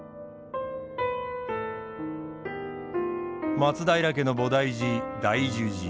松平家の菩提寺大樹寺。